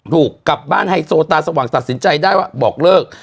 ถูกกลับบ้านไฮโซตาสว่างตัดสินใจได้ว่าบอกเลิก